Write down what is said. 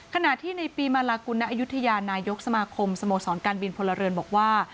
ขณะที่ในปีมาลากุลณอายุทยานายกสมาคมสโมสรการบินพลเรือนบอกว่า